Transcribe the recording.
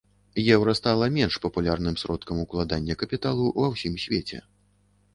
Еўра стала менш папулярным сродкам укладання капіталу ва ўсім свеце.